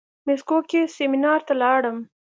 مسکو کې سيمينار ته لاړم.